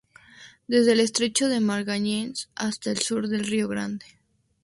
Desde el Estrecho de Magallanes hasta el sur del río Grande.